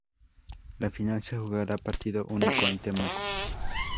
La final se jugará a partido único en Temuco.